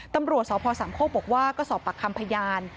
ตำรวจสพสามโคกบอกว่าก็สอบปากคำพยาน